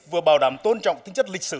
vừa bảo đảm tôn trọng tính chất lịch sử